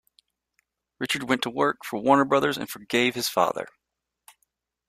Richard went to work for Warner Brothers and forgave his father.